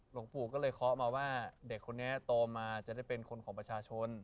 หลวงปู่ก็เลยเคาะมาว่าเด็กคนนี้โตมาจะได้เป็นคนของประชาชน